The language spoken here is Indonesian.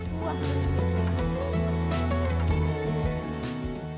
bukti sejarah tionghoa di singkawang